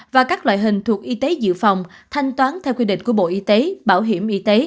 và các loại hình thuộc y tế dự phòng thanh toán theo quy định của bộ y tế